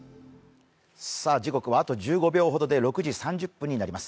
あと１５秒ほどで６時３０分になります。